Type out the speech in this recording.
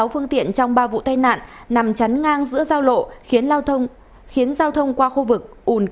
sáu phương tiện trong ba vụ tai nạn nằm chắn ngang giữa giao lộ khiến giao thông qua khu vực